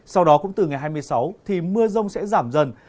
sau đó cũng từ ngày hai mươi sáu thì mưa rông sẽ giảm dần